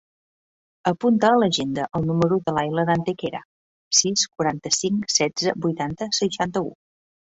Apunta a l'agenda el número de l'Aylen Antequera: sis, quaranta-cinc, setze, vuitanta, seixanta-u.